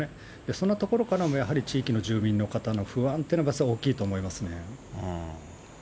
そんなところからもやはり地域の住民の方の不安っていうのは大きいと思いますね。